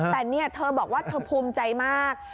แต่เนี่ยเธอบอกว่าเธอภูมิใจมาก